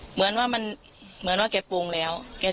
เหมือนว่าแกปรุงแล้ว